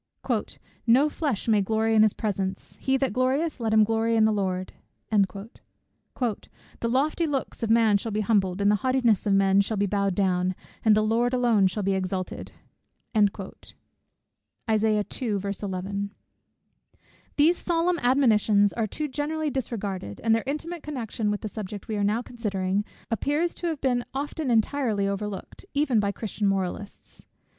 "No flesh may glory in his presence; he that glorieth, let him glory in the Lord" "The lofty looks of man shall be humbled, and the haughtiness of men shall be bowed down, and the Lord alone shall be exalted." These solemn admonitions are too generally disregarded, and their intimate connection with the subject we are now considering, appears to have been often entirely overlooked, even by Christian moralists.